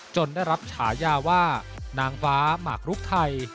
ได้รับฉายาว่านางฟ้าหมากรุกไทย